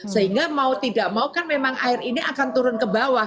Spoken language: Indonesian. sehingga mau tidak mau kan memang air ini akan turun ke bawah